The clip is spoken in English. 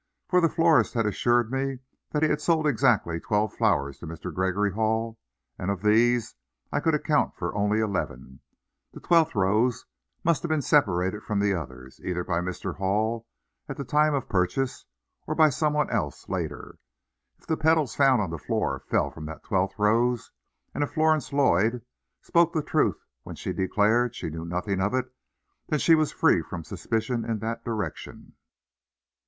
For the florist had assured me he had sold exactly twelve flowers to Mr. Gregory Hall, and of these, I could account for only eleven. The twelfth rose must have been separated from the others, either by Mr. Hall, at the time of purchase, or by some one else later. If the petals found on the floor fell from that twelfth rose, and if Florence Lloyd spoke the truth when she declared she knew nothing of it, then she was free from suspicion in that direction.